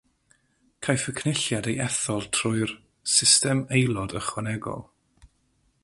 Caiff y Cynulliad ei ethol trwy'r System Aelod Ychwanegol.